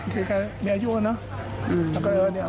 เค้มีอายุแล้วนะ